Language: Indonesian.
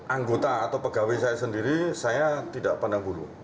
anggota atau pegawai saya sendiri saya tidak pandang bulu